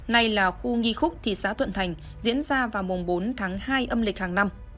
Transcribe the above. nay là khu nghi khúc thị xã thuận thành diễn ra vào mùng bốn tháng hai âm lịch hàng năm